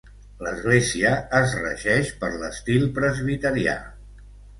L'església es regeix per l'estil presbiterià.